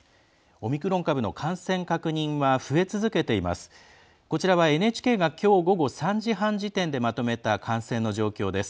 オミクロン株の感染確認は増え続けています。